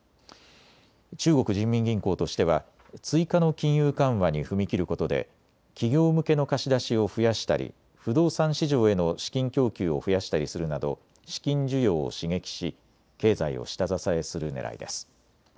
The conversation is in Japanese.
中国人民銀行としては追加の金融緩和に踏み切ることで企業向けの貸し出しを増やしたり不動産市場への資金供給を増やしたりするなど資金需要を刺激し経済を下支えするねらいです。